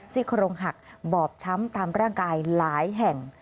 โครงหักบอบช้ำตามร่างกายหลายแห่ง